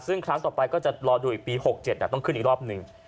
ซึ่งครั้งต่อไปก็จะรอดูอีกปี๖๗ต้องขึ้นอีกรอบหนึ่ง